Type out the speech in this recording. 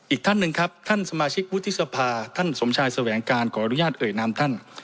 อีกท่านหนึ่งครับท่านสมาชิกวุฒิสภาท่านสมชายแสวงการขออนุญาตเอ่ยนามท่าน